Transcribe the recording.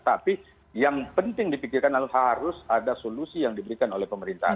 tapi yang penting dipikirkan lalu harus ada solusi yang diberikan oleh pemerintah